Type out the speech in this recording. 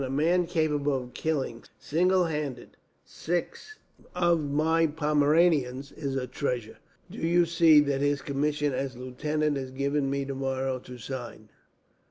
"A man capable of killing, single handed, six of my Pomeranians is a treasure. Do you see that his commission as lieutenant is given me tomorrow to sign.